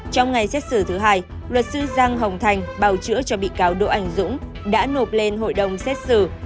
trong ngày xét xử thứ hai luật sư giang hồng thành bào chữa cho bị cáo đỗ anh dũng đã nộp lên hội đồng xét xử